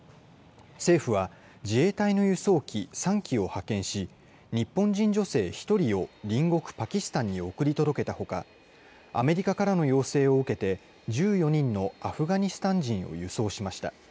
政府は、自衛隊の輸送機３機を派遣し、日本人女性１人を隣国パキスタンに送り届けたほか、アメリカからの要請を受けて、１４人のアフガニスタン人を輸送しました。